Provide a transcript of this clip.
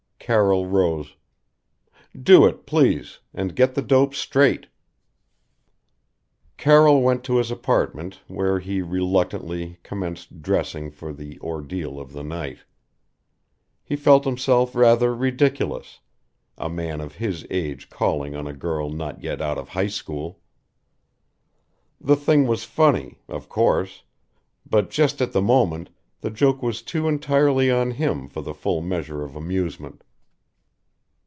Carroll rose. "Do it please. And get the dope straight." Carroll went to his apartment where he reluctantly commenced dressing for the ordeal of the night. He felt himself rather ridiculous a man of his age calling on a girl not yet out of high school. The thing was funny of course but just at the moment the joke was too entirely on him for the full measure of amusement.